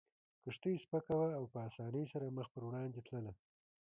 کښتۍ سپکه وه او په اسانۍ سره مخ پر وړاندې تله.